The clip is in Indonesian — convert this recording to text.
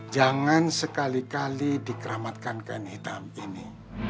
jangan sekali kali dikeramatkan kain hitam ini